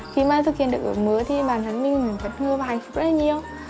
khi mà thực hiện được ước mơ thì bản thân mình cũng bất ngờ và hạnh phúc rất là nhiều